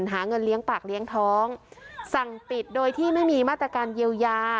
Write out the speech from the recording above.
หาเงินเลี้ยงปากเลี้ยงท้องสั่งปิดโดยที่ไม่มีมาตรการเยียวยา